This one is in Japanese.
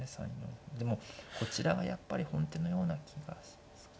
でもこちらがやっぱり本手のような気がしますけど。